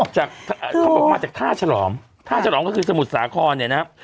เขาบอกมาจากท่าฉลอมท่าฉลอมก็คือสมุทรสาครเนี่ยนะครับ